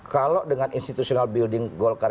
kalau dengan institutional building golkar